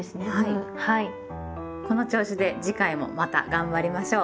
この調子で次回もまた頑張りましょう！